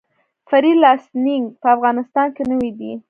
فری لانسینګ په افغانستان کې نوی دی